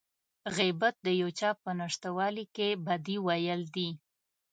غيبت د يو چا په نشتوالي کې بدي ويل دي.